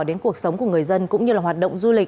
đến cuộc sống của các bạn